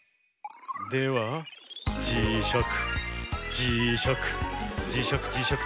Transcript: ではじしゃくじしゃくじしゃくじしゃく